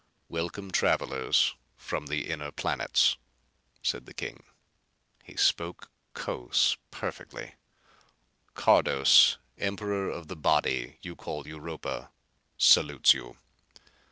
"Welcome, travelers from the inner planets," said the king. He spoke Cos perfectly! "Cardos, emperor of the body you call Europa, salutes you.